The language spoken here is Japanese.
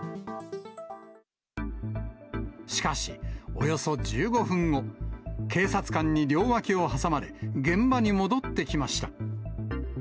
しかし、およそ１５分後、警察官に両脇を挟まれ、現場に戻ってきました。